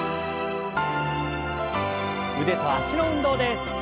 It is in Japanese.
腕と脚の運動です。